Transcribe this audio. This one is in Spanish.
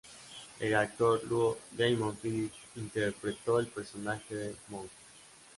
El actor Lou Diamond Phillips interpretó el personaje de Monje.